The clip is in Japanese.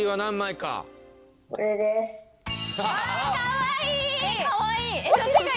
かわいい！